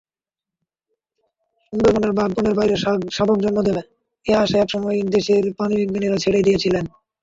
সুন্দরবনের বাঘ বনের বাইরে শাবক জন্ম দেবে—এ আশা একসময় দেশের প্রাণিবিজ্ঞানীরা ছেড়েই দিয়েছিলেন।